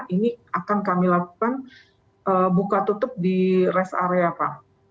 ini akan kami lakukan buka tutup di rest area pak